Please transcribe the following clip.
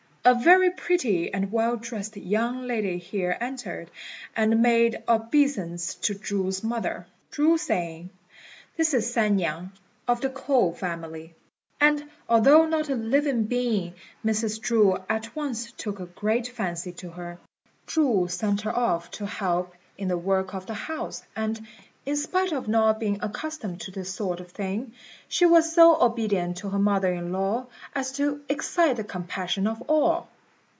A very pretty and well dressed young lady here entered, and made obeisance to Chu's mother, Chu saying, "This is San niang, of the K'ou family;" and although not a living being, Mrs. Chu at once took a great fancy to her. Chu sent her off to help in the work of the house, and, in spite of not being accustomed to this sort of thing, she was so obedient to her mother in law as to excite the compassion of all.